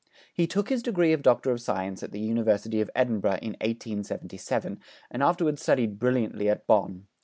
He took his degree of Doctor of Science at the University of Edinburgh in 1877, and afterwards studied brilliantly at Bonn.